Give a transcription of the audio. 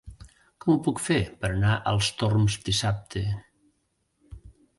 Com ho puc fer per anar als Torms dissabte?